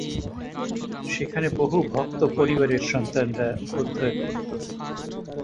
সেখানে বহু ভক্ত পরিবারের সন্তানরা অধ্যয়ন করত।